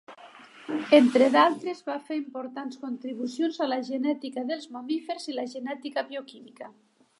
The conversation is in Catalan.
Entre d'altres va fer importants contribucions a la genètica dels mamífers i la genètica bioquímica.